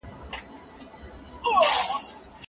خاوند او ميرمن دي له بدو ويلو او پيغورونو څخه ډډه وکړي.